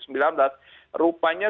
rupanya sistem informasi